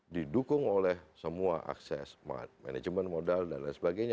didukung oleh semua akses manajemen modal dan lain sebagainya